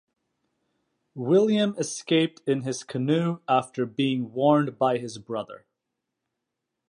William escaped in his canoe after being warned by his brother.